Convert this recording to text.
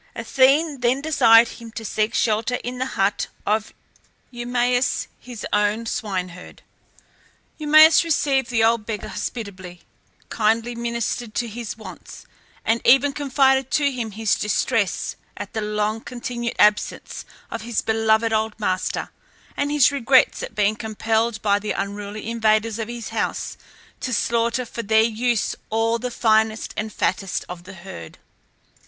Athene then desired him to seek shelter in the hut of Eumaeus his own swine herd. Eumaeus received the old beggar hospitably, kindly ministered to his wants, and even confided to him his distress at the long continued absence of his beloved old master, and his regrets at being compelled by the unruly invaders of his house, to slaughter for their use all the finest and fattest of the herd.